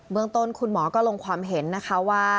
เมืองต้นคุณหมอก็ลงความเห็นนะคะว่า